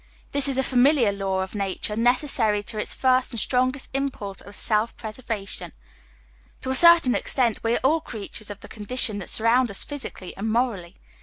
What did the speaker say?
This is a familiar law of nature, necessary to its fii'st and strongest impulse of self preservation. To a certain extent, we are all creatures of the conditions that surround us, physically and morally.